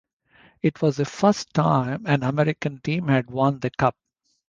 It was the first time an American team had won the Cup.